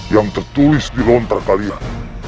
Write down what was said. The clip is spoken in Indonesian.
yang tertulis di lontar kalian